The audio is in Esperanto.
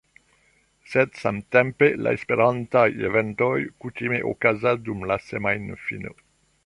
Sed samtempe la Esperantaj eventoj kutime okazas dum la semajnfino